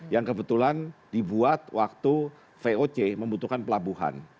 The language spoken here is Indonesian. yang kebetulan dibuat waktu voc membutuhkan pelabuhan